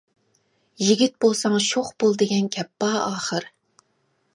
«يىگىت بولساڭ شوخ بول» دېگەن گەپ بار ئاخىر.